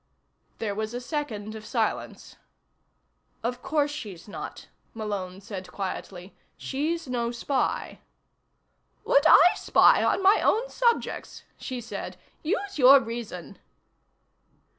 There was a second of silence. "Of course she's not," Malone said quietly. "She's no spy." "Would I spy on my own subjects?" she said. "Use your reason!"